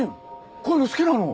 こういうの好きなの？